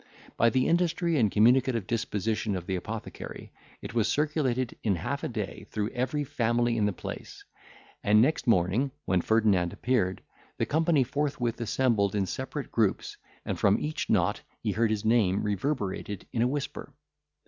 By the industry and communicative disposition of the apothecary, it was circulated in half a day through every family in the place; and, next morning, when Ferdinand appeared, the company forthwith assembled in separate groups, and from each knot he heard his name reverberated in a whisper.